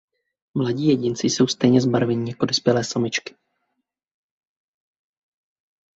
Mladí jedinci jsou stejně zbarvení jako dospělé samičky.